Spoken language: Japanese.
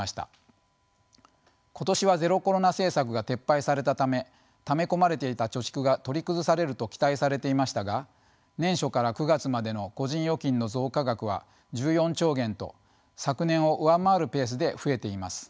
今年はゼロコロナ政策が撤廃されたためため込まれていた貯蓄が取り崩されると期待されていましたが年初から９月までの個人預金の増加額は１４兆元と昨年を上回るペースで増えています。